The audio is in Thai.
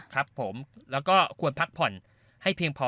ครับผมแล้วก็ควรพักผ่อนให้เพียงพอ